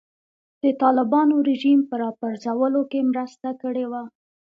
د طالبانو رژیم په راپرځولو کې مرسته کړې وه.